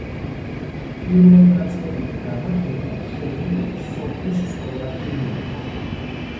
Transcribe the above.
პირველდაწყებითი განათლება მშობლიური სოფლის სკოლაში მიიღო.